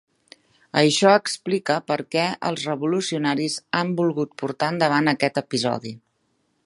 Això explica per què els revolucionaris han volgut portar endavant aquest episodi.